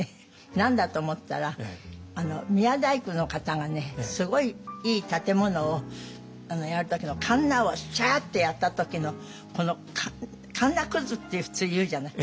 何だと思ったら宮大工の方がすごいいい建物をやる時のカンナをスッとやった時のこのカンナくずって普通言うじゃない？